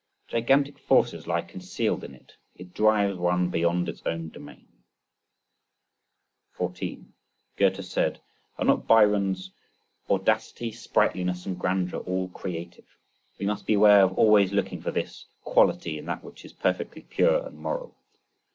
Gigantic forces lie concealed in it: it drives one beyond its own domain. 14. Goethe said: "Are not Byron's audacity, sprightliness and grandeur all creative? We must beware of always looking for this quality in that which is perfectly pure and moral.